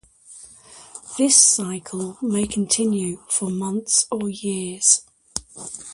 This cycle may continue for months or years.